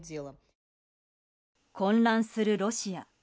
混乱するロシア。